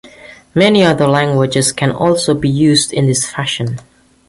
Many other languages can also be used in this fashion.